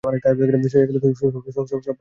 সব পুরুষ একই রকম হয়।